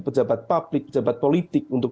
pejabat publik pejabat politik untuk